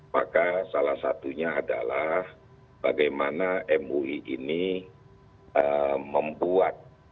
maka salah satunya adalah bagaimana mui ini membuat